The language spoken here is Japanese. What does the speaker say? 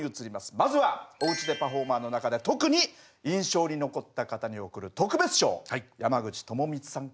まずはおうちでパフォーマーの中で特に印象に残った方に贈る特別賞を山口智充さんから発表して頂きます。